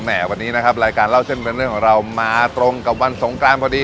วันนี้นะครับรายการเล่าเส้นเป็นเรื่องของเรามาตรงกับวันสงกรานพอดี